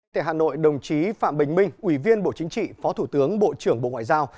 tại hà nội đồng chí phạm bình minh ủy viên bộ chính trị phó thủ tướng bộ trưởng bộ ngoại giao